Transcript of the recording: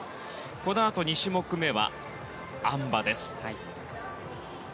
このあと２種目めはあん馬です。